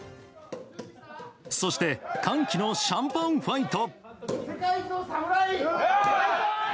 そして歓喜のシャンパンファイト。